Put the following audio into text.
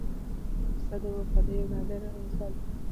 پسه د وفادارۍ یو نادره مثال دی.